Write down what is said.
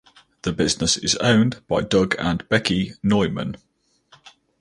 The business is owned by Doug and Becky Neuman.